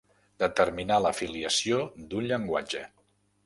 Determinar la filiació d'un llenguatge.